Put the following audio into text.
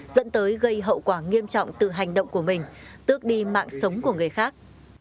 dẫn tới gây hậu quả nghiêm trọng từ hành động của mình tước đi mạng sống của người khác